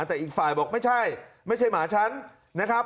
แต่อีกฝ่ายบอกไม่ใช่ไม่ใช่หมาฉันนะครับ